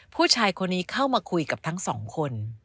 ผู้ชายคนนี้เข้ามาคุยกับทั้งสองคน